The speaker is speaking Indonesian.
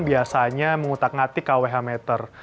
biasanya mengutak ngatik kwh meter